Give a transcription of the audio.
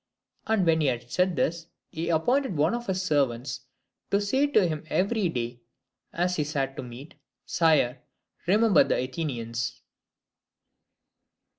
And when he had said this, he appointed one of his servants to say to him every day as he sat at meat, 'Sire, remember the Athenians.'"